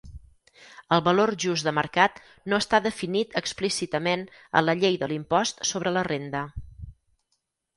El valor just de mercat no està definit explícitament a la Llei de l'Impost sobre la Renda.